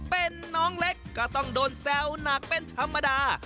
เป็นน้องเล็กก็ต้องโดนแซวหนักเป็นธรรมดา